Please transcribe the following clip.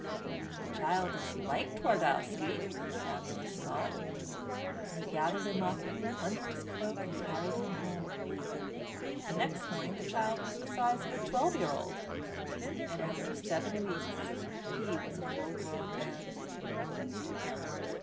"The child is like Twardowski," Famulus thought, and he gathered him up under his cloak and carried him home. The next morning the child was the size of a twelve year old; and after seven weeks he was a full grown man.